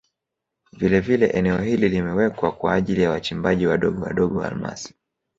Vilevile eneo hili limewekwa kwa ajili ya wachimbaji wadogo wadogo wa almasi